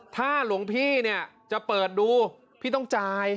ถ้าหลวงพี่เนี่ยจะเปิดดูพี่ต้องจ่าย